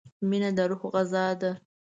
مینه د روح غذا ده.